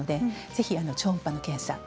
ぜひ超音波の検査